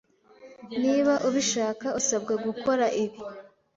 niba ubishaka usabwa gukora ibi